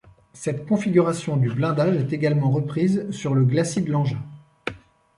Cette configuration du blindage est également reprise sur le glacis de l'engin.